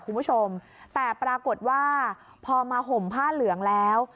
คุณผู้ชมแต่ปรากฏว่าพอมาห่มผ้าเหลืองแล้ว